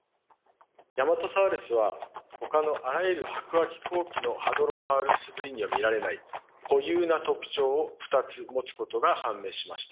ヤマトサウルスはほかのあらゆる白亜紀後期のハドロサウルス類には見られない固有な特徴を２つ持つことが判明しました。